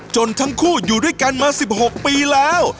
ทั้งคู่อยู่ด้วยกันมา๑๖ปีแล้ว